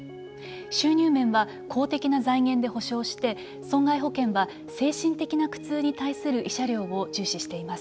収入面は公的な財源で補償して損害保険は精神的な苦痛に対する慰謝料を重視しています。